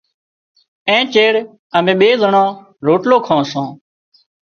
اين چيڙ امين ٻي زنڻان روٽلو کان سان۔